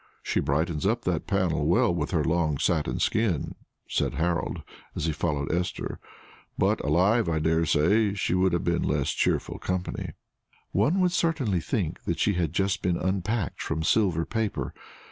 "She brightens up that panel well with her long satin skirt," said Harold, as he followed Esther, "but alive I dare say she would have been less cheerful company." "One would certainly think that she had just been unpacked from silver paper.